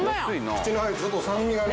口の中にちょっと酸味がね。